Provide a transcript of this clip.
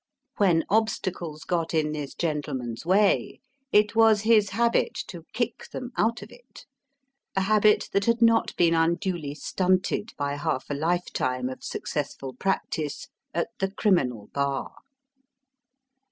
When obstacles got in this gentleman's way it was his habit to kick them out of it a habit that had not been unduly stunted by half a lifetime of successful practice at the criminal bar.